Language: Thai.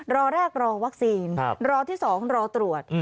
รอแรกรอวัคซีนรอที่๒รอตรวจ